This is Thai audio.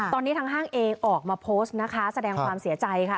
ตอนนี้ทางห้างเองออกมาโพสต์นะคะแสดงความเสียใจค่ะ